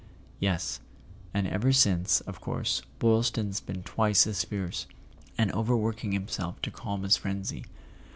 "Yes. And ever since, of course, Boylston's been twice as fierce, and overworking himself to calm his frenzy.